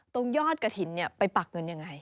ตรงยอดกระถิ่นนี่ไปปักเงินอย่างไร